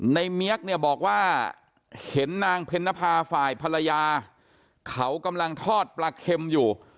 เมียกเนี่ยบอกว่าเห็นนางเพ็ญนภาฝ่ายภรรยาเขากำลังทอดปลาเค็มอยู่